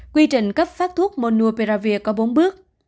quy trình cấp phát thuốc monopiravir có bốn bước